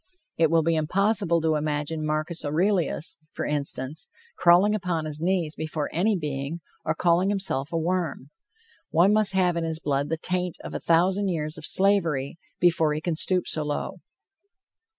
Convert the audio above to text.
It will be impossible to imagine Marcus Aurelius, for instance, crawling upon his knees before any being, or calling himself a worm. One must have in his blood the taint of a thousand years of slavery, before he can stoop so low.